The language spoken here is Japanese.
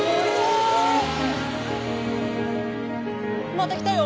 またきたよ。